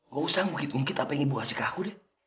gak usah bukit mukit apa yang ibu kasih ke aku deh